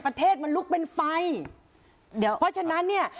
ประเทศมันลุกเป็นไฟเดี๋ยวเพราะฉะนั้นเนี่ย